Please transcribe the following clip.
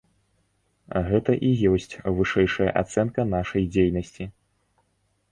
Гэта і ёсць вышэйшая ацэнка нашай дзейнасці.